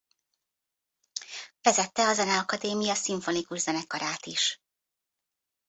Vezette a Zeneakadémia szimfonikus zenekarát is.